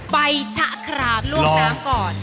ชะครามล่วงน้ำก่อน